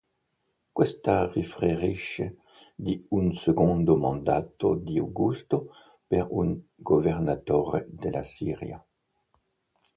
Questa riferisce di un secondo mandato di Augusto per un governatore della Siria.